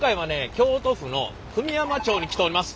京都府の久御山町に来ております。